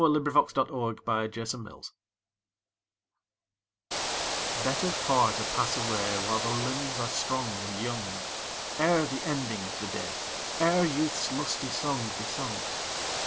XV Better Far to Pass Away BETTER far to pass away While the limbs are strong and young, Ere the ending of the day, Ere youth's lusty song be sung.